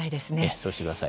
そうしてください。